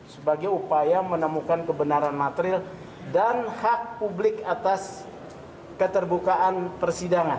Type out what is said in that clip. sebagai upaya menemukan kebenaran material dan hak publik atas keterbukaan persidangan